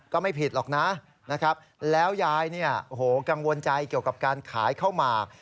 ก็ไม่ผิดหรอกนะแล้วยายกังวลใจเกี่ยวกับการขายข้าวหมาก